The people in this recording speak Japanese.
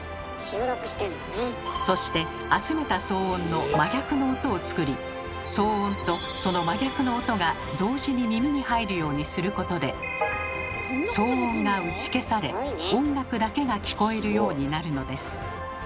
そして集めた騒音の「真逆の音」を作り騒音とその真逆の音が同時に耳に入るようにすることで騒音が打ち消され音楽だけが聞こえるようになるのです。